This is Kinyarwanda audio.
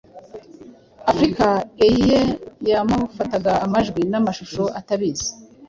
africa eye yamufataga amajwi n'amashusho atabizi,